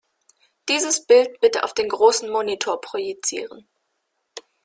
Dieses Bild bitte auf den großen Monitor projizieren.